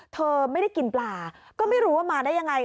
เธอไม่ได้กินปลาก็ไม่รู้ว่ามาได้ยังไง